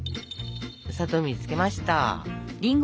砂糖水につけました。